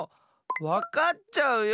わかっちゃうよ！